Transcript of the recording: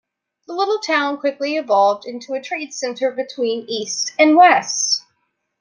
The little town quickly evolved into a trade center between east and west.